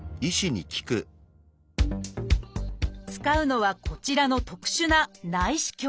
使うのはこちらの特殊な内視鏡